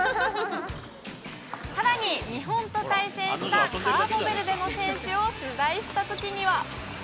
さらに、日本と対戦したカーボベルデの選手を取材したときには。